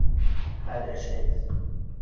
Хәҙер эшләйбеҙ!